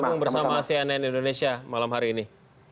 bergabung bersama cnn indonesia malam hari ini